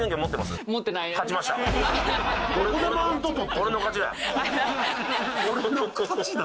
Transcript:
俺の勝ちだ！